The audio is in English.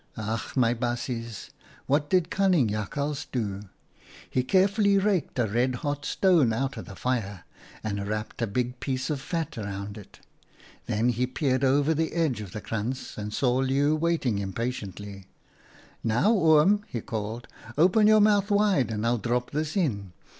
" Ach ! my baasjes, what did cunning Jakhals do ? He carefully raked a red hot stone out of the fire and wrapped a big piece of fat round it. Then he peered over the JAKHALS FED OOM LEEUW 23 edge of the krantz and saw Leeuw waiting impatiently. " l Now Oom,' he called, ■ open your mouth wide and I'll drop this in.